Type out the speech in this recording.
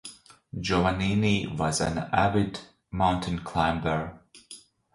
Giovannini was an avid mountain climber.